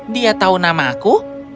dia tahu nama aku